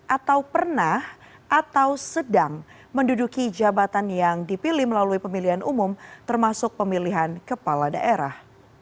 atau pernah atau sedang menduduki jabatan yang dipilih melalui pemilihan umum termasuk pemilihan kepala daerah